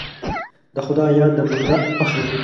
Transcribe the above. د خدای یاد د بنده فخر دی.